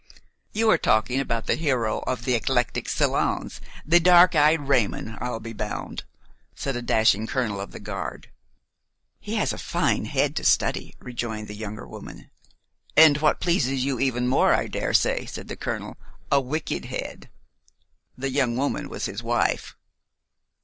"You are talking about the hero of the eclectic salons, the dark eyed Raymon, I'll be bound," said a dashing colonel of the guard. "He has a fine head to study," rejoined the younger woman. "And what pleases you even more, I dare say," said the colonel, "a wicked head." The young woman was his wife.